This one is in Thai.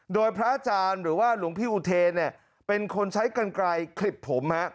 โดยพระอาจารย์หรือว่าหลวงพี่อุเทนเป็นคนใช้กันไกลคลิบผม